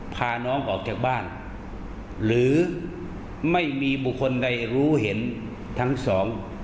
พาน้องออกจากบ้านหรือไม่มีบุคคลใดรู้เห็นทั้งสอง